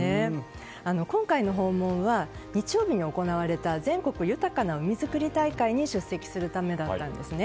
今回の訪問は日曜日に行われた全国豊かな海づくり大会に出席するためだったんですね。